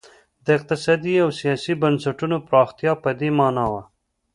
د اقتصادي او سیاسي بنسټونو پراختیا په دې معنا وه.